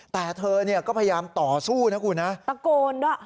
แต่เธอเนี่ยก็พยายามต่อสู้นะคุณนะตะโกนด้วย